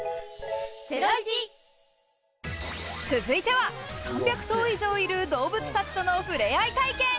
続いては３００頭以上いる動物たちとの触れ合い体験。